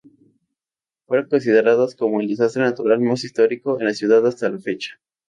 Fueron consideradas como el desastre natural más histórico en la ciudad hasta la fecha.